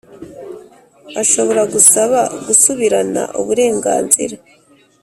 ashobora gusaba gusubirana uburenganzira